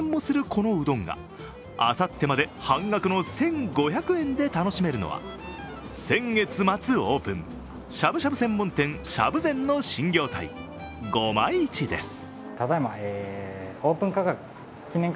このうどんがあさってまで半額の１５００円で楽しめるのは、先月末オープン、しゃぶしゃぶ専門店しゃぶ禅の新業態ごまいちです。